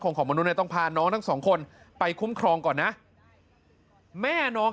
ของมนุษย์ต้องพาน้องทั้งสองคนไปคุ้มครองก่อนนะแม่น้อง